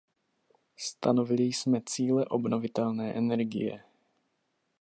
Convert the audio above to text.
Stanovili jsme cíle obnovitelné energie.